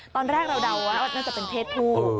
ตอนแรกเราเดาว่าน่าจะเป็นเพศผู้